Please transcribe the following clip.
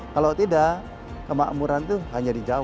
kalau tidak kemakmuran itu hanya di jawa